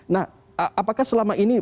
nah apakah selama ini